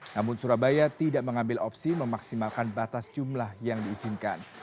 namun surabaya tidak mengambil opsi memaksimalkan batas jumlah yang diizinkan